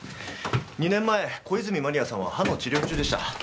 ２年前小泉万里亜さんは歯の治療中でした。